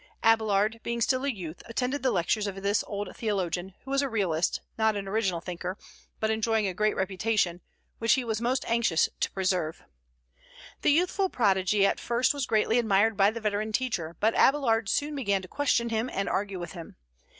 Abélard, being still a youth, attended the lectures of this old theologian, who was a Realist, not an original thinker, but enjoying a great reputation, which he was most anxious to preserve. The youthful prodigy at first was greatly admired by the veteran teacher; but Abélard soon began to question him and argue with him.